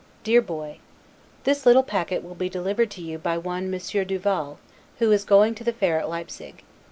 DEAR BOY: This little packet will be delivered to you by one Monsieur Duval, who is going to the fair at Leipsig.